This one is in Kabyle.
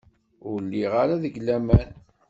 Ur lliɣ ara deg laman.